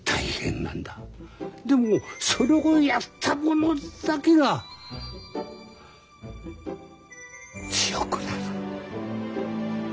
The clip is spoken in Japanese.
でもそれをやった者だけが強くなる。